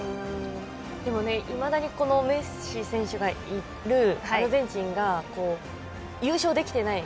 でも、いまだにメッシ選手がいるアルゼンチンが優勝できていない。